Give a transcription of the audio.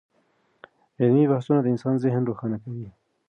علمي بحثونه د انسان ذهن روښانه کوي.